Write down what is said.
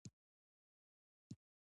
الفاظ پیچلي نه دي.